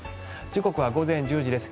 時刻は午前１０時です。